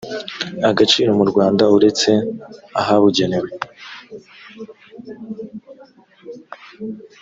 agaciro mu rwanda uretse ahabugenewe